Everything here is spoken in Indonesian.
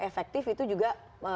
efektif itu juga